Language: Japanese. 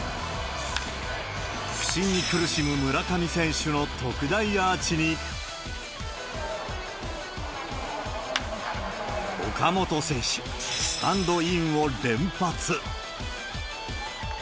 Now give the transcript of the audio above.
不振に苦しむ村上選手の特大アーチに、岡本選手、スタンドインを連発。